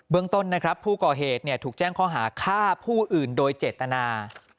เบื้องต้นนะครับผู้ก่อเหตุเนี่ยถูกแจ้งเขาหาฆ่าผู้อื่นโดยเจตนา